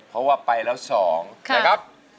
เพราะว่าไปแล้ว๒นะครับ